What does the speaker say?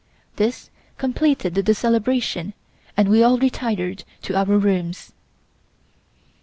This completed the celebration and we all retired to our rooms.